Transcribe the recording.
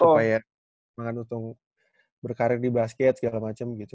supaya makanya berkarya di basket segala macem gitu